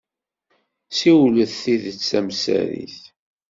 Ssiwlet tidet tamsarit.